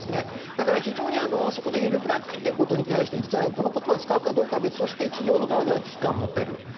そこでゆるブラックという言葉に対してこの言葉を使うかどうかは別にして企業の側は危機感を持っている。